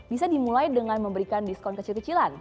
bisa dimulai dengan memberikan diskon kecil kecilan